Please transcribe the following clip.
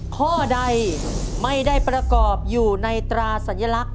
ข้อใดไม่ได้ประกอบอยู่ในตราสัญลักษณ